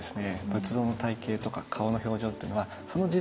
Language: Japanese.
仏像の体型とか顔の表情っていうのはへぇ。